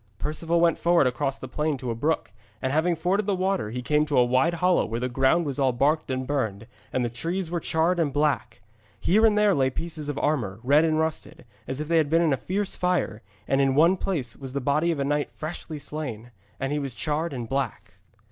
Perceval went forward across the plain to a brook, and having forded the water he came to a wide hollow where the ground was all baked and burned, and the trees were charred and black. Here and there lay pieces of armour, red and rusted, as if they had been in a fierce fire; and in one place was the body of a knight freshly slain, and he was charred and black.